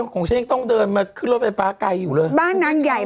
ของฉันยังต้องเดินมาขึ้นรถไฟฟ้าไกลอยู่เลยบ้านนางใหญ่